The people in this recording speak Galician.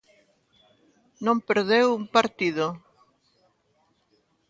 Non perdeu un partido.